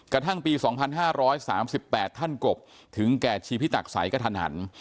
กระทั่งปี๒๕๓๘ท่านกบถึงแก่ชีพิตักษัยกระทันหัน